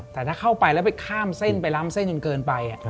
แต่ถ้าเข้าไปแล้วไปข้ามเส้นไปล้ำเส้นจนเกินไป